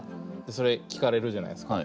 それ聴かれるじゃないすか。